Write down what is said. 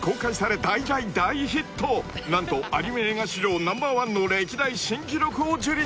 ［何とアニメ映画史上ナンバーワンの歴代新記録を樹立！］